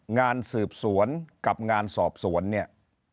งานสืบสวนกับงานสอบสวนเนี่ย